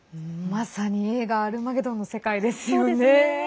まさに映画「アルマゲドン」の世界ですよね。